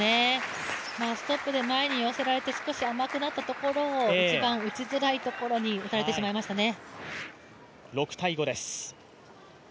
ストップで前に寄せられて少し甘くなったところを一番打ちづらいところに打たれてしまいましたね。